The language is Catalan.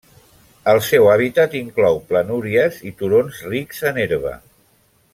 El seu hàbitat inclou planúries i turons rics en herba.